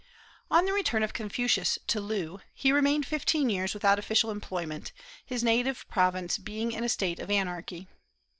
On the return of Confucius to Loo, he remained fifteen years without official employment, his native province being in a state of anarchy.